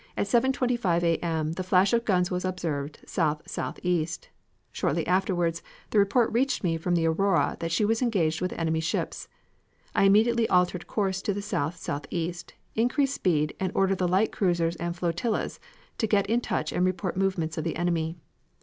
25 A. M. the flash of guns was observed south southeast; shortly afterwards the report reached me from the Aurora that she was engaged with enemy ships. I immediately altered course to south southeast, increased speed, and ordered the light cruisers and flotillas to get in touch and report movements of enemy.